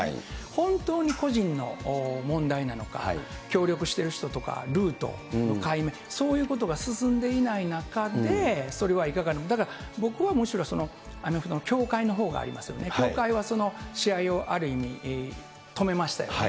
本当に個人の問題なのか、協力してる人とかルートの解明、そういうことが進んでいない中で、それはいかがな、だから僕はむしろ、アメフトの協会のほうがありますよね、協会は試合をある意味、止めましたよね。